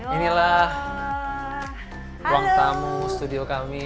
inilah ruang tamu studio kami